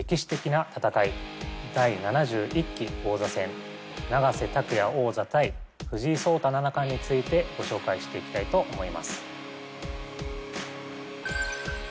第７１期王座戦永瀬拓矢王座対藤井聡太七冠についてご紹介していきたいと思います。